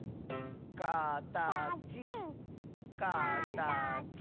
「かたちかたち」